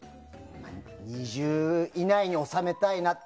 ２０以内に収めたいな。